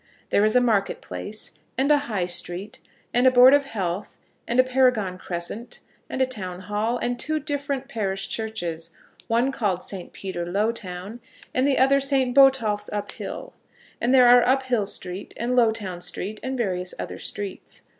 There is a market place, and a High Street, and a Board of Health, and a Paragon Crescent, and a Town Hall, and two different parish churches, one called St. Peter Lowtown, and the other St. Botolph's Uphill, and there are Uphill Street, and Lowtown Street, and various other streets.